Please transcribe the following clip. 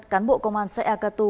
cán bộ công an xã e cà tu